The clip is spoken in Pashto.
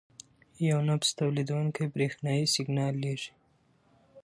یو نبض تولیدوونکی برېښنايي سیګنال لېږي.